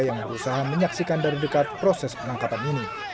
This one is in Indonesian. yang berusaha menyaksikan dari dekat proses penangkapan ini